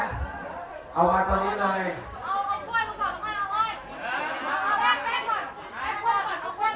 เอามาต่อนี้เลยเอา่ลงไว้เอาเลี้ยงไปก่อน